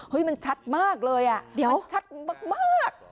มันชัดมากเลยอ่ะเดี๋ยวมันชัดมาก